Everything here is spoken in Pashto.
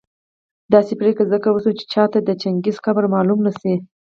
داسي پرېکړه ځکه وسوه چي چاته د چنګېز قبر معلوم نه شي